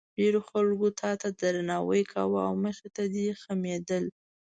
ډېرو خلکو تا ته درناوی کاوه او مخې ته دې خمېدل.